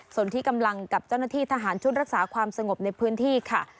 ส่วนที่กำลังกับเจ้าหน้าที่ทหารชุดรักษาความสงบในพื้นที่ค่ะ